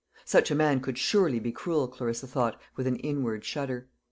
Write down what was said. Such a man could surely be cruel, Clarissa thought, with an inward shudder.